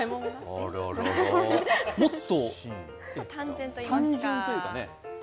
もっと単純というかね。